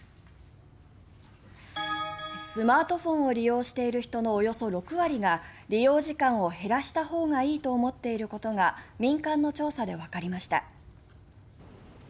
スマートフォンを利用している人のおよそ６割が利用時間を減らしたほうがいいと思っていることが民間の調査でわかりました。